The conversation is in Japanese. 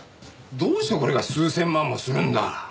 どうしてこれが数千万もするんだ？